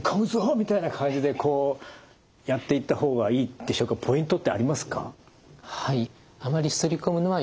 みたいな感じでこうやっていった方がいいってポイントってありますか？